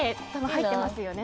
入ってますね。